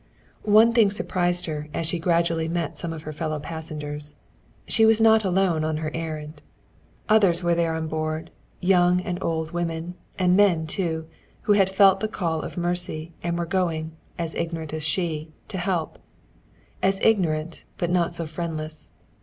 One thing surprised her as she gradually met some of her fellow passengers. She was not alone on her errand. Others there were on board, young and old women, and men, too, who had felt the call of mercy and were going, as ignorant as she, to help. As ignorant, but not so friendless.